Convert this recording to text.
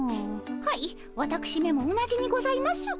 はいわたくしめも同じにございます。